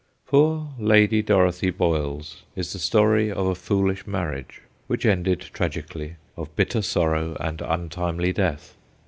Poor Lady Dorothy Boyle's is the story of a foolish marriage, which ended tragic ally, of bitter sorrow and untimely death.